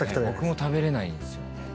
僕も食べれないんですよね。